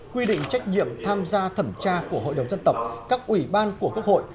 quy định trách nhiệm tham gia thẩm tra của hội đồng dân tộc các ủy ban của quốc hội